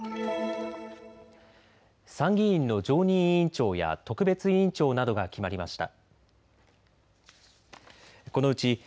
参議院の常任委員長や特別委員長などが決まりました。